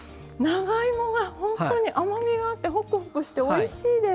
長芋が本当に甘みがあってホクホクしておいしいです。